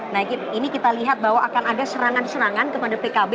nah ini kita lihat bahwa akan ada serangan serangan kepada pkb